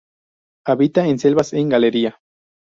Habita en selvas en galería.